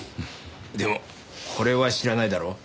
でもこれは知らないだろ。